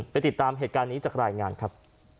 ติดตามเหตุการณ์นี้จากรายงานครับ